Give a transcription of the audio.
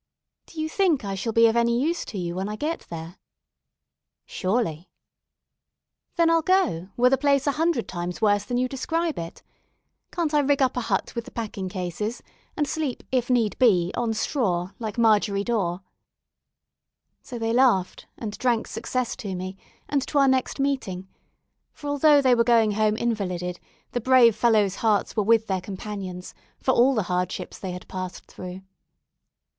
"Do you think I shall be of any use to you when I get there?" "Surely." "Then I'll go, were the place a hundred times worse than you describe it. Can't I rig up a hut with the packing cases, and sleep, if need be, on straw, like Margery Daw?" So they laughed, and drank success to me, and to our next meeting; for, although they were going home invalided, the brave fellows' hearts were with their companions, for all the hardships they had passed through.